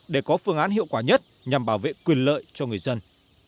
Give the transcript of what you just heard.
để có phương án hiệu quả nhất nhằm bảo vệ quyền lợi cho người dân